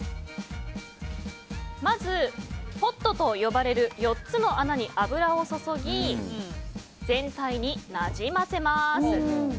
まず、ポットと呼ばれる４つの穴に油を注ぎ全体になじませます。